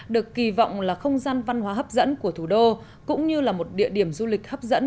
được kỳ vọng là không gian văn hóa hấp dẫn của thủ đô cũng như là một địa điểm du lịch hấp dẫn